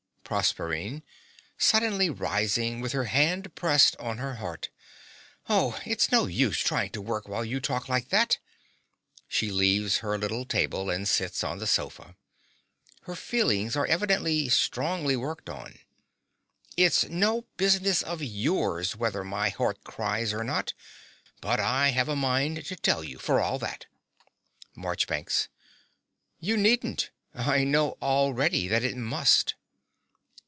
PROSERPINE (suddenly rising with her hand pressed on her heart). Oh, it's no use trying to work while you talk like that. (She leaves her little table and sits on the sofa. Her feelings are evidently strongly worked on.) It's no business of yours, whether my heart cries or not; but I have a mind to tell you, for all that. MARCHBANKS. You needn't. I know already that it must.